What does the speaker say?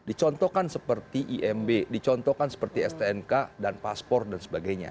dicontohkan seperti imb dicontohkan seperti stnk dan paspor dan sebagainya